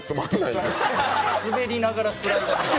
スベりながらスライドする。